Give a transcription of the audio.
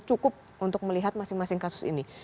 cukup untuk melihat masing masing kasus ini